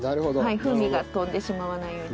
風味が飛んでしまわないように。